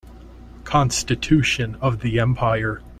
Constitution of the empire.